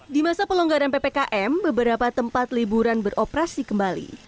di masa pelonggaran ppkm beberapa tempat liburan beroperasi kembali